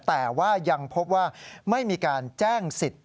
แต่ว่ายังพบว่าไม่มีการแจ้งสิทธิ์